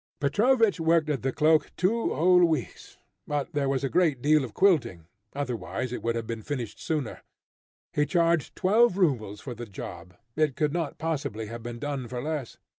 Petrovich worked at the cloak two whole weeks, for there was a great deal of quilting; otherwise it would have been finished sooner. He charged twelve rubles for the job, it could not possibly have been done for less.